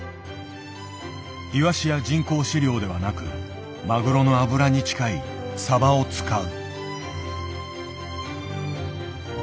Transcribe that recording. イワシや人工飼料ではなくマグロの脂に近いサバを使う。